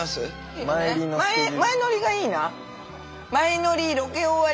前乗りがいいな。